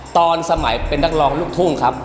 ตอนสมัยเป็นนักร้องลูกทุ่งครับ